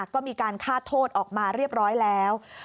ก็มีการฆ่าโทษออกมาเรียบร้อยแล้ว